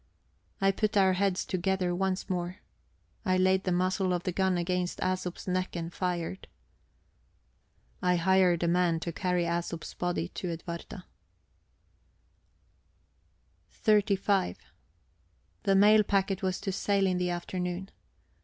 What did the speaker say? I put our heads together once more; I laid the muzzle of the gun against Æsop's neck and fired... I hired a man to carry Æsop's body to Edwarda. XXXV The mail packet was to sail in the afternoon.